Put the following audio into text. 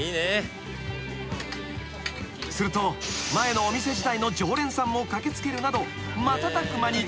［すると前のお店時代の常連さんも駆け付けるなど瞬く間に］